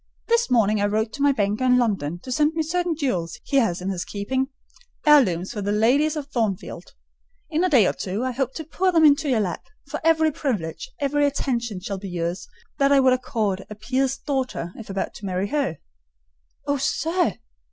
This morning I wrote to my banker in London to send me certain jewels he has in his keeping,—heirlooms for the ladies of Thornfield. In a day or two I hope to pour them into your lap: for every privilege, every attention shall be yours that I would accord a peer's daughter, if about to marry her." "Oh, sir!